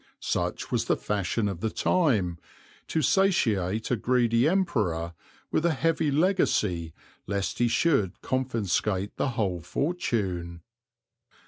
Such was the fashion of the time to satiate a greedy Emperor with a heavy legacy lest he should confiscate the whole fortune.